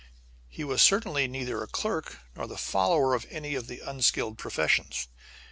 He was certainly neither a clerk nor the follower of any of the unskilled professions.